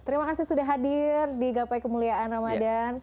terima kasih sudah hadir di gapai kemuliaan ramadan